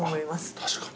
確かに。